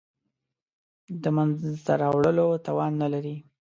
د منځته راوړلو توان نه لري.